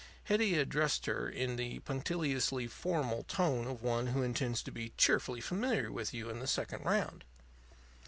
Hetty addressed her in the punctiliously formal tone of one who intends to be cheerfully familiar with you in the second round.